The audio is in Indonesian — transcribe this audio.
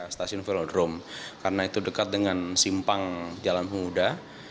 stasiun veldrom karena itu dekat dengan simpang jalan muda